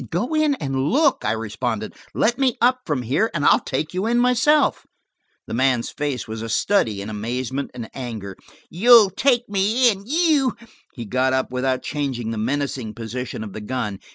"Go in and look," I responded. "Let me up from here, and I'll take you in myself. The man's face was a study in amazement and anger. "You'll take me in! You!" He got up without changing the menacing position of the gun.